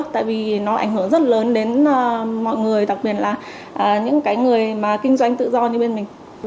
tại vì nó ảnh hưởng rất lớn đến mọi người đặc biệt là những cái người mà kinh doanh tự do như bên mình